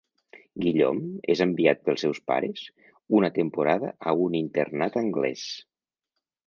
Guillaume és enviat pels seus pares una temporada a un internat anglès.